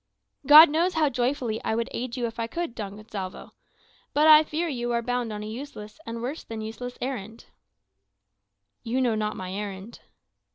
"God knows how joyfully I would aid you if I could, Don Gonsalvo. But I fear you are bound on a useless, and worse than useless, errand." "You know not my errand."